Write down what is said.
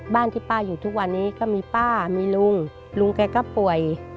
บ้านที่ป้าอยู่ทุกวันนี้ก็มีป้ามีลุงลุงแกก็ป่วย